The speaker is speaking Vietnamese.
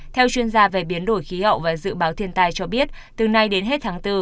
theo chuyên gia về biến đổi khí hậu và dự báo thiên tai cho biết từ nay đến hết tháng bốn